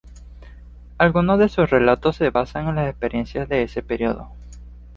Algunos de sus relatos se basan en las experiencias de ese período.